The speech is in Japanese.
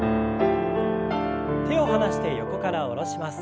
手を離して横から下ろします。